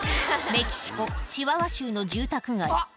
メキシコチワワ州の住宅街